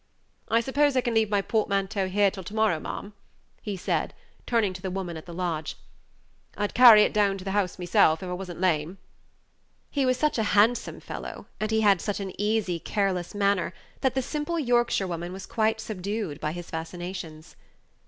"I suppose I can leave my portmanteau here till to morrow, ma'am?" he said, turning to the woman at the lodge. "I'd carry it down to the house myself, if I was n't lame." He was such a handsome fellow, and had such an easy, careless manner, that the simple Yorkshirewoman was quite subdued by his fascinations.